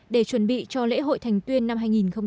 để chuẩn bị cho lễ hội thành tuyên năm hai nghìn một mươi bảy